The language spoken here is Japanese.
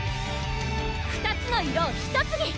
２つの色を１つに！